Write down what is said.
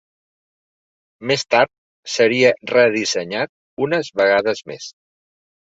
Més tard seria redissenyat unes vegades més.